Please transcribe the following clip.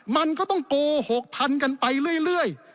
มันก็ต้องโกหกพันกันไปเรื่อย